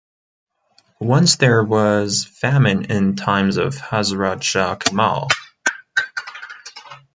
Once there was famine in the times of Hazrat shah kamal.